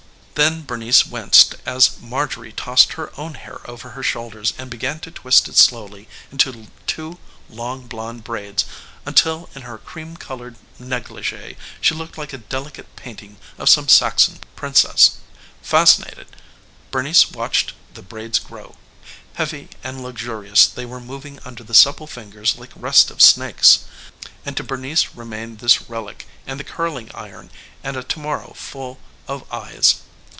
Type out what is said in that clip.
Then Bernice winced as Marjorie tossed her own hair over her shoulders and began to twist it slowly into two long blond braids until in her cream colored negligée she looked like a delicate painting of some Saxon princess. Fascinated, Bernice watched the braids grow. Heavy and luxurious they were moving under the supple fingers like restive snakes and to Bernice remained this relic and the curling iron and a to morrow full of eyes.